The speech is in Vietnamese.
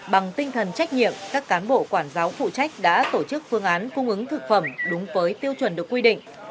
bằng tinh thần trách nhiệm các cán bộ quản giáo phụ trách đã tổ chức phương án cung ứng thực phẩm đúng với tiêu chuẩn được quy định